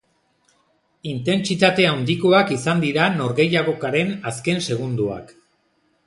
Intentsitate handikoak izan dira norgehiagokaren azken segundoak.